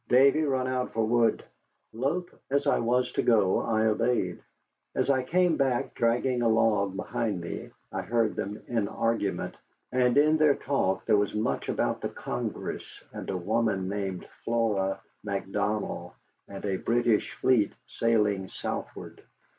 "Davy, run out for wood." Loath as I was to go, I obeyed. As I came back dragging a log behind me I heard them in argument, and in their talk there was much about the Congress, and a woman named Flora Macdonald, and a British fleet sailing southward.